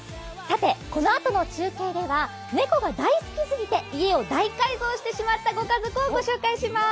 このあとの中継では猫が大好きすぎて家を大改造してしまったご家族をご紹介します。